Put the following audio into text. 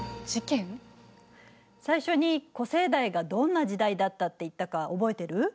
最初に古生代がどんな時代だったって言ったか覚えてる？